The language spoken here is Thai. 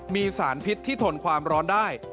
มีสารพิษที่ทนความร้อนได้